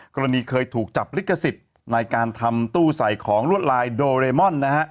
กรณีเคยถูกจับลิกษิตในการทำตู้ใส่ของรวดลายโดเรมอน